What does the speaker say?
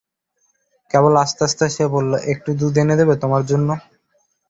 কেবল আস্তে আস্তে সে বললে, একটু দুধ এনে দেব তোমার জন্যে?